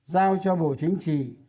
giao cho bộ chính trị